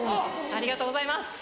ありがとうございます。